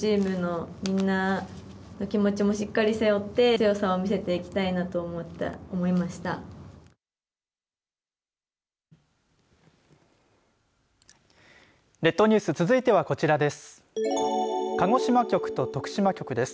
列島ニュース続いてはこちらです。